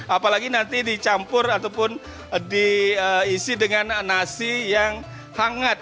apalagi nanti dicampur ataupun diisi dengan nasi yang hangat